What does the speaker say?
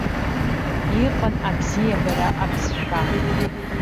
Иҟан абзиабара абызшәа.